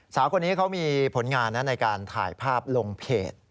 สาวคนนี้เขามีผลงานในการถ่ายภาพลงเพจ